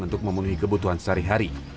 untuk memenuhi kebutuhan sehari hari